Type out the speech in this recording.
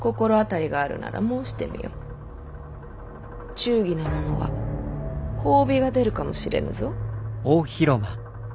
忠義な者は褒美が出るかもしれぬぞ。